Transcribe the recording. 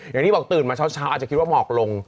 อย่างที่บอกตื่นมาเช้าอาจจะคิดว่าหมอกลง